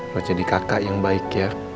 mau jadi kakak yang baik ya